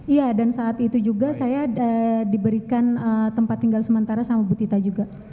iya dan saat itu juga saya diberikan tempat tinggal sementara sama bu tita juga